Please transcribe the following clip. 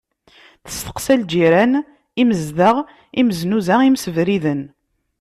Testeqsa lǧiran, imezdaɣ, imznuza, imsebriden.